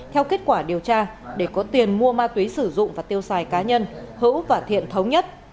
theo kết quả điều tra để có tiền mua ma túy sử dụng và tiêu xài cá nhân hữu và thiện thống nhất